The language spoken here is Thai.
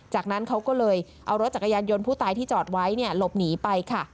จากนั้นเขาก็เลยเอารถจักรยานยนต์ผู้ตายที่จอดไว้หลบหนีไปค่ะ